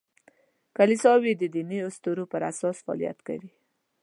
کلیساوې د دیني اسطورو پر اساس فعالیت کوي.